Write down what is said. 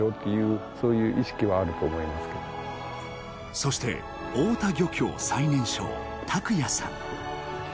そして大田漁協最年少卓也さん